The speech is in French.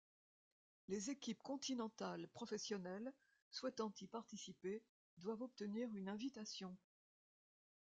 Les équipes continentales professionnelles souhaitant y participer doivent obtenir une invitation.